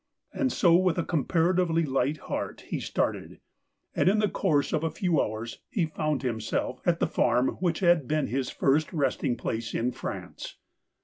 And so with a comparatively light heart he started, and in the course of a few hours he found himself at the farm which had been his first resting place in France.